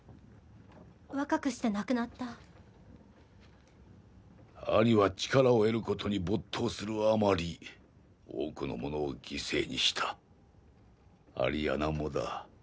若くして亡くなった兄は力を得ることに没頭するあまり多くのものを犠牲にしたアリアナもだ